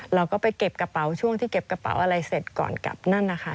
เราก็ไปเก็บกระเป๋าช่วงที่เก็บกระเป๋าอะไรเสร็จก่อนกลับนั่นนะคะ